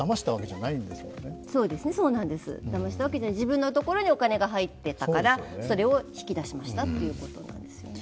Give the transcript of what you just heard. そうなんです、自分のところにお金が入っていたからそれを引き出しましたということですね。